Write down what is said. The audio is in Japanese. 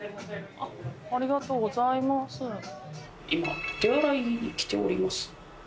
今お手洗いに来ております。